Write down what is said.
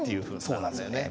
そうなんですよね。